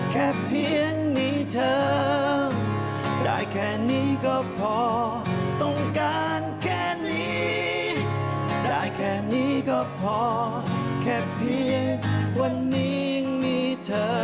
แค่เพียงวันนี้ยังมีเธอ